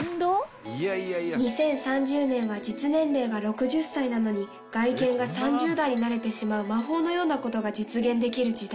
「２０３０年は実年齢が６０歳なのに外見が３０代になれてしまう魔法のようなことが実現できる時代。